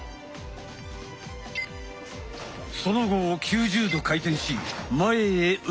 その後９０度回転し前へ受ける。